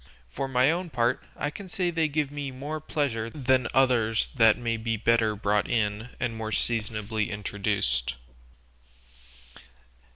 For my own part, I can say they give me more pleasure than others that may be better brought in and more seasonably introduced."